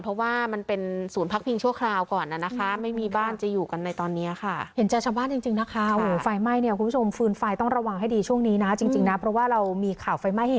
เพราะว่ามันเป็นศูนย์พักพิงชั่วคราวก่อนนะคะ